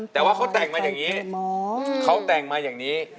แต่ว่าเขาแต่งมาช่วงนี้